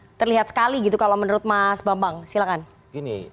atau berbeda sekali gitu kalau menurut mas bambang silakan